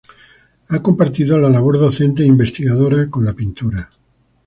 Ha compartido la labor docente e investigadora con la pintura.